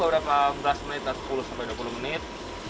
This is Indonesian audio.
berapa belas menit atau sepuluh sampai dua puluh menit